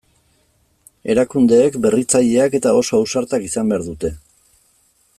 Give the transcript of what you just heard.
Erakundeek berritzaileak eta oso ausartak izan behar dute.